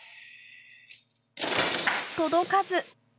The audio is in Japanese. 届かず！